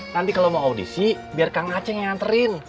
nanti kalau mau audisi biar kang aceh nganterin